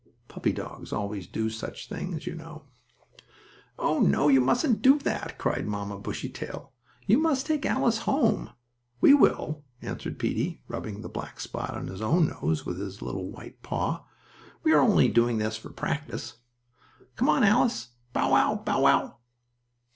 Puppy dogs always do such things, you know. "Oh! Oh! You mustn't do that," cried Mamma Bushytail. "You must take Alice home." "We will," answered Peetie, rubbing the black spot on his own nose with his little white paw. "We were only doing this for practice. Come on, Alice! Bow wow! Bow wow!"